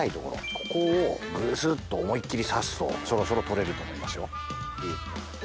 ここをグスっと思いっ切り刺すとそろそろ取れると思いますよ。